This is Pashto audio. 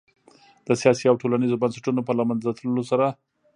د سیاسي او ټولنیزو بنسټونو په له منځه تلو سره